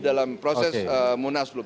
di dalam proses munaslup